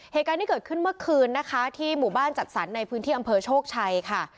เหตุการณ์ที่เกิดขึ้นเมื่อคืนนะคะที่หมู่บ้านจัดสรรในพื้นที่อำเภอโชคชัยค่ะ